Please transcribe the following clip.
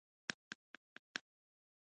احمد د زړه په زور تر ښوونځي ولاړ.